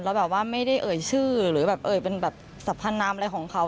แล้วแบบว่าไม่ได้เอ่ยชื่อหรือแบบเอ่ยเป็นแบบสัพพนามอะไรของเขา